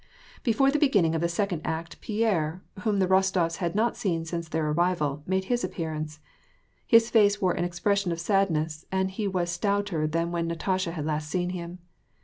Before the beginning of the second act, Pierre, whom the Kostofs had not seen since their arrival, made his appearance. His face wore an expression of sadness, and he was stouter thau when Natasha had last seen him.